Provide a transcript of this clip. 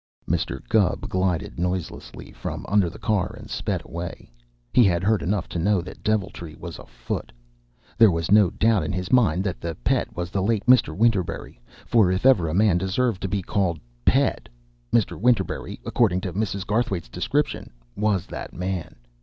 Mr. Gubb glided noiselessly from under the car and sped away. He had heard enough to know that deviltry was afoot. There was no doubt in his mind that the Pet was the late Mr. Winterberry, for if ever a man deserved to be called "Pet," Mr. Winterberry according to Mrs. Garthwaite's description was that man.